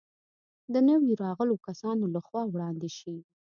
د نویو راغلو کسانو له خوا وړاندې شي.